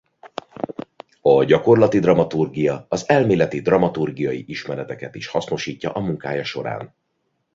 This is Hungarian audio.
A gyakorlati dramaturgia az elméleti dramaturgiai ismereteket is hasznosítja munkája során.